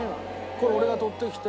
これ俺が撮ってきて。